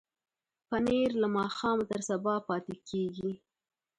پنېر له ماښامه تر سبا پاتې کېږي.